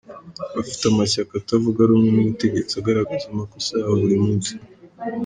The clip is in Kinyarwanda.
Bafite amashyaka atavuga rumwe n’ubutegetsi agaragaza amakosa yabo buri munsi.